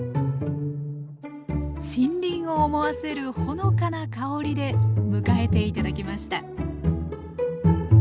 森林を思わせるほのかな香りで迎えて頂きました